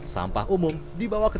sampah umum dibawa ke tempat lain